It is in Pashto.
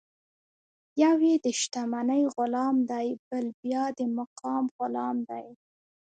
یو یې د شتمنۍ غلام دی، بل بیا د مقام غلام دی.